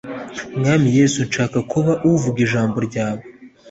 Mwami yesu nshaka kuba uvuga ijambo ryawe